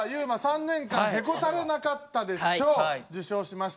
「３年間へこたれなかったで賞」受賞しました。